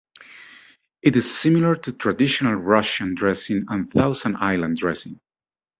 It is similar to traditional Russian dressing and Thousand Island dressing.